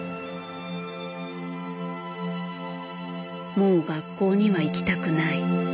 「もう学校には行きたくない」。